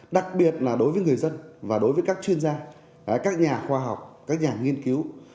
đặc biệt là đối với người dân và đối với các chuyên gia các nhà khoa học các nhà nghiên cứu